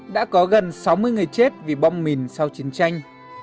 đã có gần sáu mươi người chết vì bom mìn sau chiến tranh